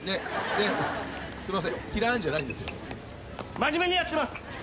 真面目にやってます！